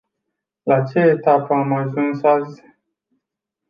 La ce etapă am ajuns azi?